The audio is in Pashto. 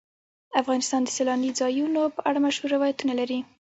افغانستان د سیلاني ځایونو په اړه مشهور روایتونه لري.